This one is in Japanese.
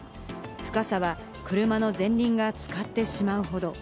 深さは車の前輪が浸かってしまうほど。